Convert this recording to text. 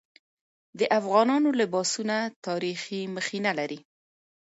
د افغانانو لباسونه تاریخي مخینه لري.